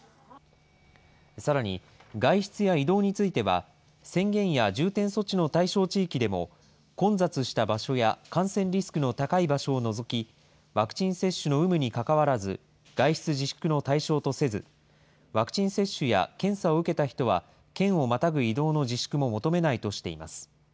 さらに外出や移動については、宣言や重点措置の対象地域でも、混雑した場所や感染リスクの高い場所を除き、ワクチン接種の有無にかかわらず外出自粛の対象とせず、ワクチン接種や検査を受けた人は県をまたぐ移動の自粛も求めないとしています。